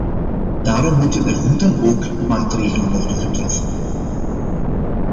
Daarom moeten er hoe dan ook maatregelen worden getroffen.